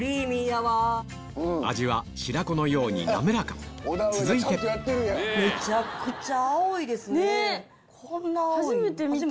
味は白子のように滑らか続いてめちゃくちゃ。